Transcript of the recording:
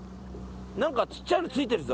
何かちっちゃいのついてるぞ。